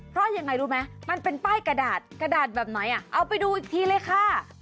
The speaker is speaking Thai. เพราะยังไงรู้ไหมมันเป็นป้ายกระดาษกระดาษแบบไหนอ่ะเอาไปดูอีกทีเลยค่ะ